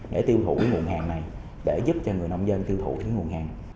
để tiêu thủ cái nguồn hàng này để giúp cho người nông dân tiêu thủ cái nguồn hàng